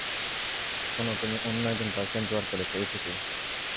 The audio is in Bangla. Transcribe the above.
শোন, তুমি অন্য একজন বয়ফ্রেন্ড যোগাড় করেছ, এইটুকুই।